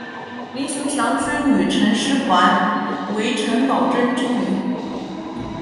林熊祥之妻陈师桓为陈宝琛之女。